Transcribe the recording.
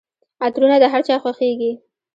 عطرونه د هرچا خوښیږي.